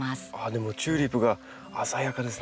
でもチューリップが鮮やかですね。